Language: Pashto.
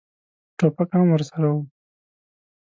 ټوپک هم ورسره و.